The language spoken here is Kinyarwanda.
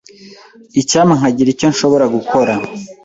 Icyampa nkagira icyo nshobora gukora.